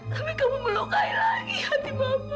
tapi kamu melukai lagi hati mama